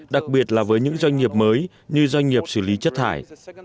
đặc biệt là với những doanh nghiệp mới như doanh nghiệp xử lý chất thải